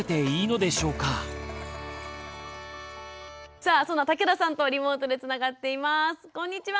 さあその竹田さんとリモートでつながっています。